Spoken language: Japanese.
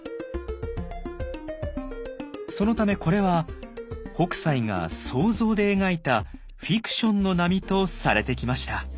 そのためこれは北斎が想像で描いたフィクションの波とされてきました。